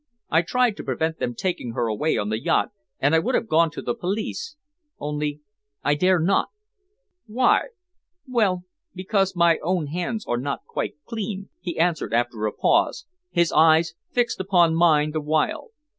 I tried to prevent them taking her away on the yacht, and I would have gone to the police only I dare not." "Why?" "Well, because my own hands were not quite clean," he answered after a pause, his eyes fixed upon mine the while.